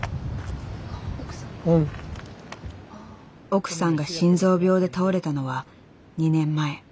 奥さんが心臓病で倒れたのは２年前。